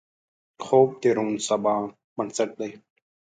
خوب د روڼ سبا بنسټ دی